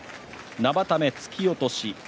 生田目突き落とし。